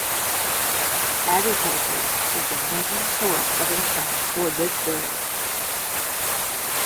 Agriculture is the main source of income for this village.